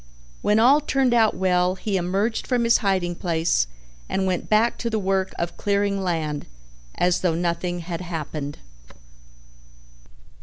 When all turned out well he emerged from his hiding place and went back to the work of clearing land as though nothing had happened.